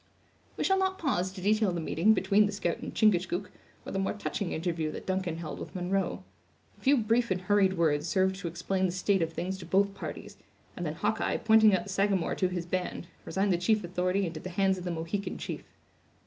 We shall not pause to detail the meeting between the scout and Chingachgook, or the more touching interview that Duncan held with Munro. A few brief and hurried words served to explain the state of things to both parties; and then Hawkeye, pointing out the Sagamore to his band, resigned the chief authority into the hands of the Mohican chief.